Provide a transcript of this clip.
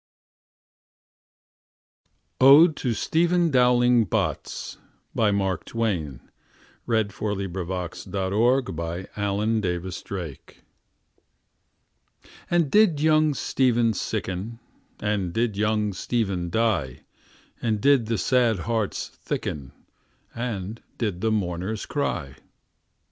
Ode to Stephen Dowling Bots, by Mark Twain ODE TO STEPHEN DOWLING BOTS by: Mark Twain (1835 1910) ND did young Stephen sicken, And did young Stephen die? And did the sad hearts thicken, And did the mourners cry?